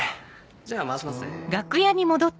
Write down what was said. じゃあ回しますね。